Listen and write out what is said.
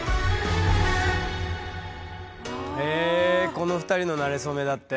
この２人のなれそめだって。